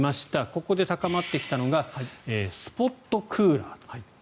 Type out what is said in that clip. ここで高まってきたのがスポットクーラーと。